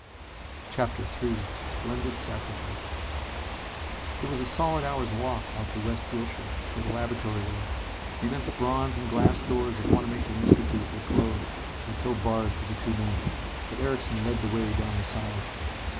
CHAPTER III Splendid Sacrifice It was a solid hour's walk out to West Wilshire, where the laboratory was. The immense bronze and glass doors of Wanamaker Institute were closed, and so barred to the two men. But Erickson led the way down the side.